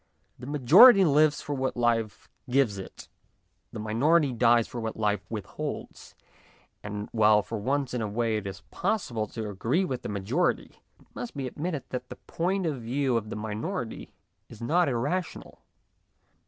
The majority lives for what life gives it, the minority dies for what life withholds ; and, while for once in a way it is possible to agree with the majority, it must be ad mitted that the point of view of the minority is not irrational.